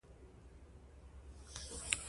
ما ستا د لیکلو مېز او پر مېز پراته قلمونه ولیدل.